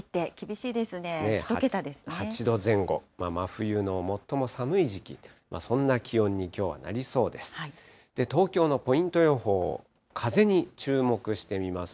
８度前後、真冬の最も寒い時期、そんな気温にきょうはなりそうです。